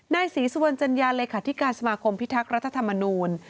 นายศรีสวรรค์จัญญาเลยค่ะที่การสมาคมพิทักษ์รัฐธรรมนูญ